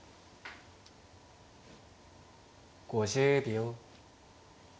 ５０秒。